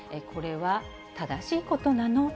これは正しいことなの？